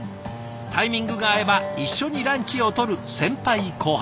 タイミングが合えば一緒にランチをとる先輩後輩。